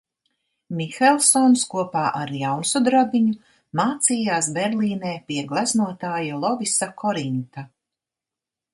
Mihelsons kopā ar Jaunsudrabiņu mācījās Berlīnē pie gleznotāja Lovisa Korinta.